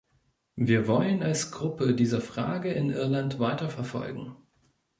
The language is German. Wir wollen als Gruppe diese Frage in Irland weiterverfolgen.